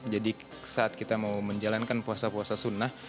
jadi saat kita mau menjalankan puasa puasa sunnah